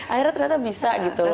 akhirnya ternyata bisa gitu loh